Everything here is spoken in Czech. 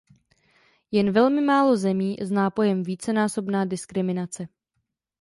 Jen velmi málo zemí zná pojem vícenásobné diskriminace.